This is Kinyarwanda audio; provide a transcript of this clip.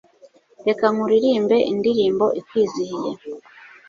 reka nkuririmbe, indirimbo ikwizihiye